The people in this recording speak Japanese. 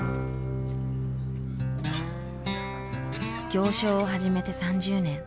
行商を始めて３０年。